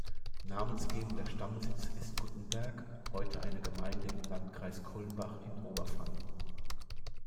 Namensgebender Stammsitz ist Guttenberg, heute eine Gemeinde im Landkreis Kulmbach in Oberfranken.